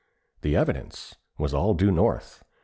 The evidence was all due north.